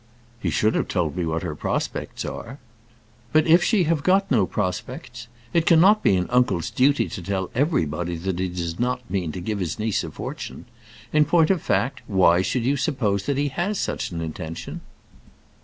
"He should have told me what her prospects are." "But if she have got no prospects! It cannot be an uncle's duty to tell everybody that he does not mean to give his niece a fortune. In point of fact, why should you suppose that he has such an intention?"